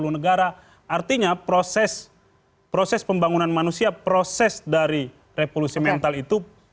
satu ratus empat belas dari satu ratus sembilan puluh negara artinya proses proses pembangunan manusia proses dari revolusi mental itu